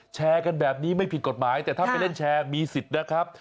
แชร์กันแบบนี้ไม่ผิดกฎหมายแต่ถ้าไปเล่นแชร์มีสิทธิ์นะครับ